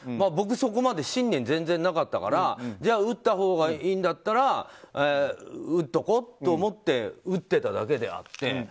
僕そこまで信念、全然なかったから打ったほうがいいんだったら打っておこうと思って打っていただけであって。